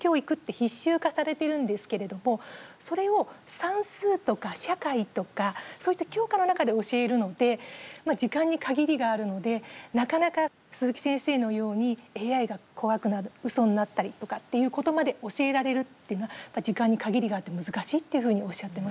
それを算数とか社会とかそういった教科の中で教えるので時間に限りがあるのでなかなか鈴木先生のようにＡＩが怖くなるウソになったりとかっていうことまで教えられるっていうのは時間に限りがあって難しいっていうふうにおっしゃってました。